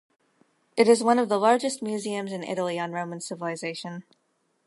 It is one of the largest museums in Italy on Roman civilization.